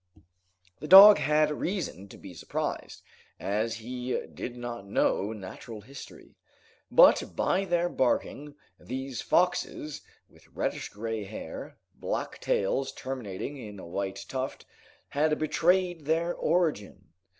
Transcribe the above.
The dog had reason to be surprised, as he did not know Natural History. But, by their barking, these foxes, with reddish gray hair, black tails terminating in a white tuft, had betrayed their origin.